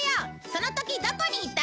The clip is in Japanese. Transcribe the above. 「そのときどこにいた」